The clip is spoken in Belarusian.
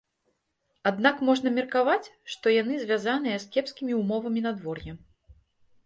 Аднак можна меркаваць, што яны звязаныя з кепскімі ўмовамі надвор'я.